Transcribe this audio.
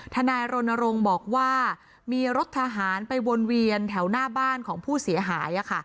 นายรณรงค์บอกว่ามีรถทหารไปวนเวียนแถวหน้าบ้านของผู้เสียหาย